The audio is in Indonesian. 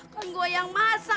kan gue yang masak